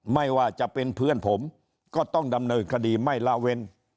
ไม่ว่าจะเป็นเพื่อนผมก็ต้องดำเนินคดีไม่ละเว้น